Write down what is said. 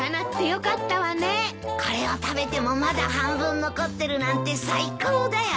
これを食べてもまだ半分残ってるなんて最高だよ。